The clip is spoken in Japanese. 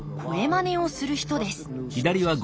まねをする人です